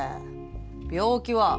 病気は？